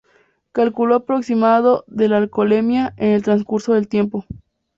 Cálculo aproximado de la alcoholemia en el transcurso del tiempo.